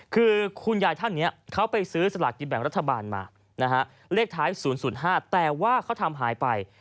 คือคุณยายท่านนี้เขาไปซื้อสลากกินแบ่งรัฐบาลมานะฮะเลขท้าย๐๐๕แต่ว่าเขาทำหายไป